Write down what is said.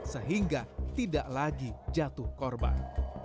sehingga tidak lagi jatuh korban